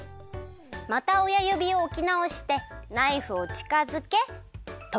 またおやゆびをおきなおしてナイフをちかづけとめる。